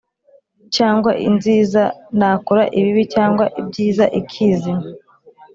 cyangwa inziza, nakora ibibi cyagwa ibyiza ikizima